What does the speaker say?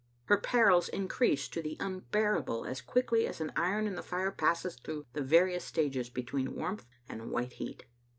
Her perils increased to the unbearable as quickly as an iron in the fire passes through the various stages between warmth and white heat.